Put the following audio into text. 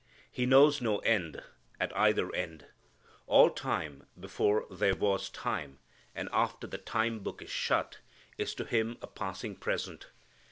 He knows no end, at either end. All time before there was time, and after the time book is shut, is to Him a passing present.